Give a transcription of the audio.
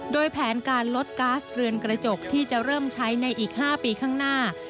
โดยแผนการลดก๊าซเรือนกระจกที่จะเริ่มใช้ในอีก๕ปีข้างหน้า